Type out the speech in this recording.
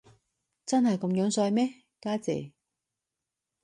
真係咁衰咩，家姐？